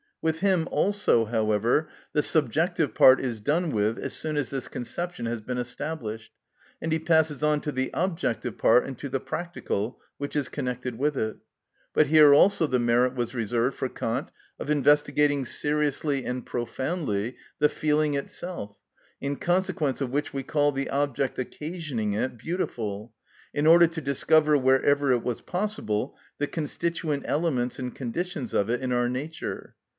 With him also, however, the subjective part is done with as soon as this conception has been established, and he passes on to the objective part and to the practical, which is connected with it. But here also the merit was reserved for Kant of investigating seriously and profoundly the feeling itself, in consequence of which we call the object occasioning it beautiful, in order to discover, wherever it was possible, the constituent elements and conditions of it in our nature.